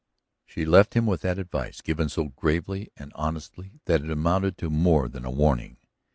She left him with that advice, given so gravely and honestly that it amounted to more than a warning.